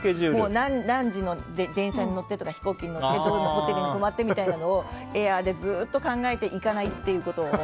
何時の電車に乗って飛行機に乗ってとかホテルに泊まってみたいなのをエアーでずっと考えて行かないということを。